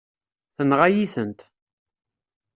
Tenɣa-yi-tent.